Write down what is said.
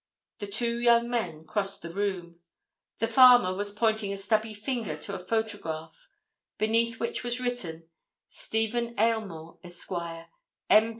The two young men crossed the room. The farmer was pointing a stubby finger to a photograph, beneath which was written _Stephen Aylmore, Esq., M.